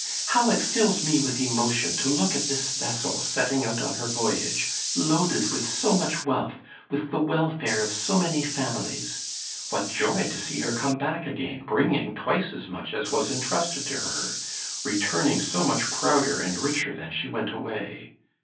How it fills me with emotion to look at this vessel setting out on her voyage, loaded with so much wealth, with the welfare of so many families! What joy to see her come back again, bringing twice as much as was intrusted to her, returning so much prouder and richer than she went away!